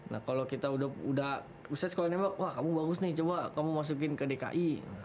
nah kalau kita udah usai sekolah nembak wah kamu bagus nih coba kamu masukin ke dki